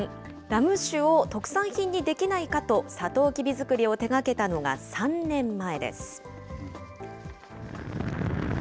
ラム酒を特産品にできないかと、サトウキビ作りを手がけたのが、３年前です。